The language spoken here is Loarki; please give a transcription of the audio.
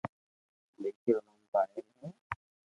ديڪري رو نوم پايل ھي